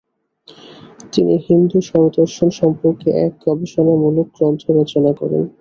তিনি হিন্দু ষড়দর্শন সম্পর্কে এক গবেষণামূলক গ্রন্থ রচনা করেন।